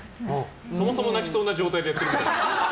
そもそも泣きそうな状態でやってたんですか。